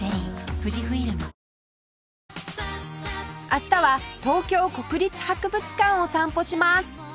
明日は東京国立博物館を散歩します